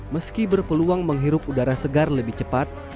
meski berpeluang menghirup udara segar lebih cepat